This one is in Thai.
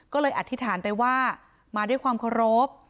ก็เลยอธิษฐานไปว่ามาด้วยความเคารพ